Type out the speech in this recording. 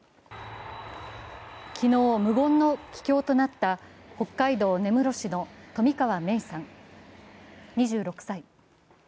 昨日、無言の帰郷となった北海道根室市の冨川芽生さん２６歳。